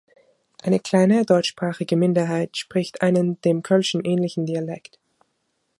Eine kleine deutschsprachige Minderheit spricht einen dem Kölschen ähnlichen Dialekt.